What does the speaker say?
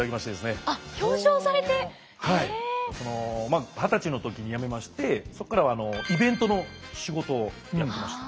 まあ二十歳の時に辞めましてそこからはイベントの仕事をやってました。